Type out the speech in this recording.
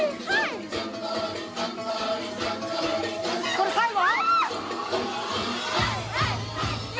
これ最後。